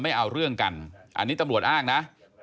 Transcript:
ไม่เอาเรื่องกันอันนี้ตำรวจอ้างนะ